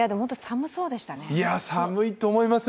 寒いと思いますよ。